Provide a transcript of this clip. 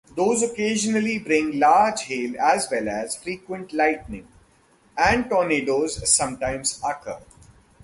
These occasionally bring large hail as well as frequent lightning, and tornadoes sometimes occur.